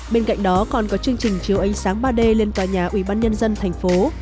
bên cạnh đó còn có chương trình chiếu ánh sáng ba d lên tòa nhà ủy ban nhân dân thành phố